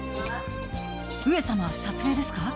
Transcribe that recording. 上様、撮影ですか？